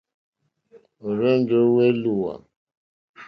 Ó rzènjé èlùwà.